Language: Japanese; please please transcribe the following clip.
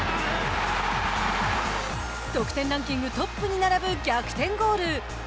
得点ランキングトップに並ぶ逆転ゴール。